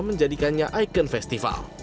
menjadikannya ikon festival